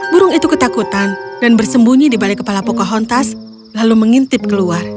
burung itu ketakutan dan bersembunyi di balik kepala pocahontas lalu mengintip keluar